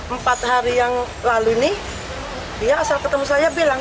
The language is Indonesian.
empat hari yang lalu nih dia asal ketemu saya bilang